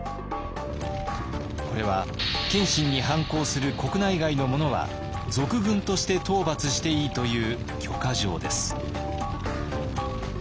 これは謙信に反抗する国内外の者は賊軍として討伐していいという許可状です。